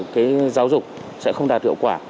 cái giáo dục sẽ không đạt hiệu quả